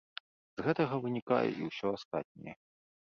З гэтага вынікае і ўсё астатняе.